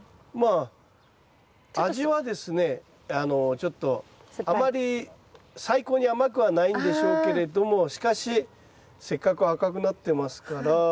ちょっとあまり最高に甘くはないんでしょうけれどもしかしせっかく赤くなってますから。